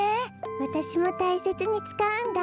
わたしもたいせつにつかうんだ。